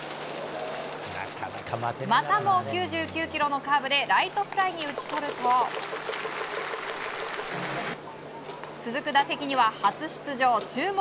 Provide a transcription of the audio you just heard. またも９９キロのカーブでライトフライに打ち取ると続く打席には初出場の注目